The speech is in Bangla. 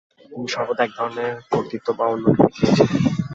তিনি সর্বদা এক ধরনের কর্তৃত্ব বা অন্যটি "দেখিয়েছিলেন"।